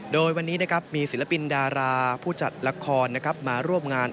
โดยวันนี้นะครับมีศิลปินดาราผู้จัดละครมาร่วมงาน